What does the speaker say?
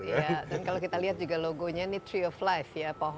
dan kalau kita lihat juga logonya ini tree of life ya pak ho